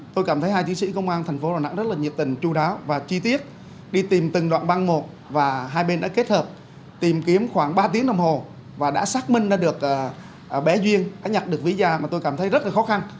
tôi cảm thấy hai chiến sĩ công an thành phố đà nẵng rất là nhiệt tình chú đáo và chi tiết đi tìm từng đoạn băng một và hai bên đã kết hợp tìm kiếm khoảng ba tiếng đồng hồ và đã xác minh ra được bé duyên đã nhặt được ví da mà tôi cảm thấy rất là khó khăn